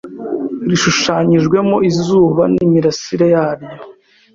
rishushanyijwemo izuba n imirasire yaryo